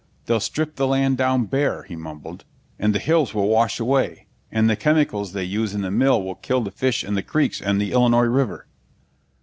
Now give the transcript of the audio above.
"They'll strip the land down bare," he mumbled. "And the hills will wash away, and the chemicals they use in the mill will kill the fish in the creeks and the Illinois River."